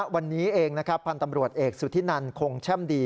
วันนี้เองนะครับพันธ์ตำรวจเอกสุธินันคงแช่มดี